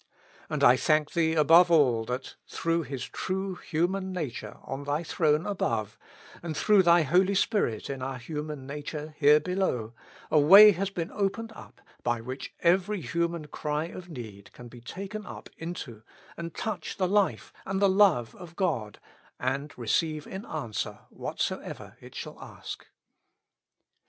And I thank Thee above all that through His true human nature on Thy throne above, and through Thy Holy Spirit in our human nature here below, a way has been opened up by which every human cry of need can be taken up into and touch the Life and the Love of God, and receive in answer whatsoever it shall ask.